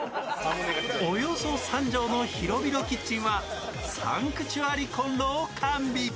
およそ３畳の広々キッチンはサンクチュアリこんろを完備。